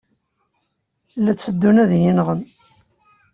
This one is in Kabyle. La tteddun ad iyi-nɣen.